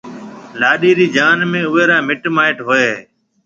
لاڏَي رِي جان ۾ اوئيَ را مِٽ مائيٽ ھوئيَ ھيََََ